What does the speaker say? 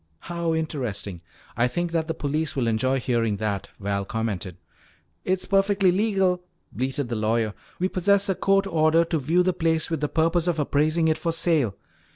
"How interesting. I think that the police will enjoy hearing that," Val commented. "It's perfectly legal," bleated the lawyer. "We possess a court order to view the place with the purpose of appraising it for sale."